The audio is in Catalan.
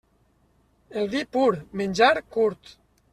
El vi pur, menjar curt.